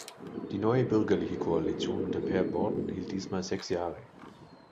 Die neue bürgerliche Koalition unter Per Borten hielt diesmal sechs Jahre.